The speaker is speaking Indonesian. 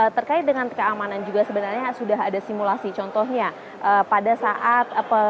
terkait dengan keamanan juga sebenarnya sudah ada simulasi contohnya pada saat